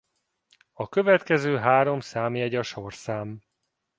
A következő három számjegy a sorszám.